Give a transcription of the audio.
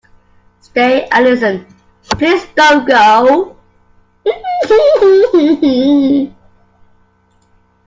Stay and listen; please don't go